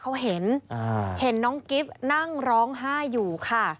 เขาเห็นน้องกิฟต์นั่งร้องไห้อยู่